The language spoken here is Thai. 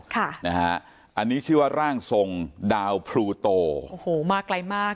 ค่ะนะฮะอันนี้ชื่อว่าร่างทรงดาวพลูโตโอ้โหมาไกลมาก